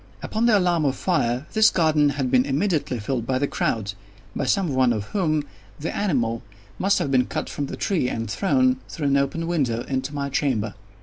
Upon the alarm of fire, this garden had been immediately filled by the crowd—by some one of whom the animal must have been cut from the tree and thrown, through an open window, into my chamber.